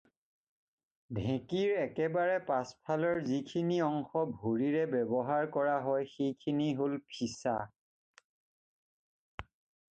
ঢেঁকীৰ একেবাৰে পাছফালৰ যিখিনি অংশ ভৰিৰে ব্যৱহাৰ কৰা হয় সেইখিনি হ'ল ফিছা।